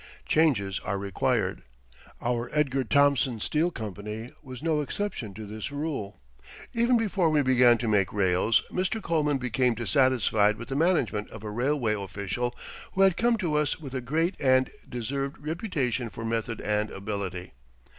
Changes are required. Our Edgar Thomson Steel Company was no exception to this rule. Even before we began to make rails, Mr. Coleman became dissatisfied with the management of a railway official who had come to us with a great and deserved reputation for method and ability.